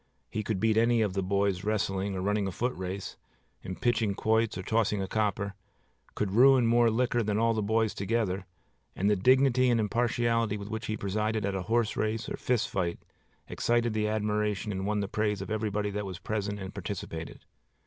He could beat any of the boys wrestling or running a footrace, in pitching quoits or tossing a copper; could ruin more liquor than all the boys together; and the dignity and impartiality with which he presided at a horse race or fist fight excited the admiration and won the praise of everybody that was present and participated.